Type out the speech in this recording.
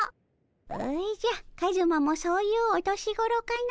おじゃカズマもそういうお年頃かの。